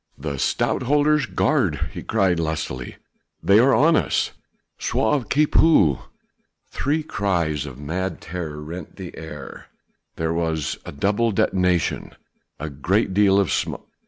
"The Stadtholder's guard!" he cried lustily, "they are on us! Sauve qui peut!" Three cries of mad terror rent the air, there was a double detonation, a great deal of smoke.